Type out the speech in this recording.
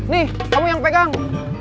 nih kamu yang pegang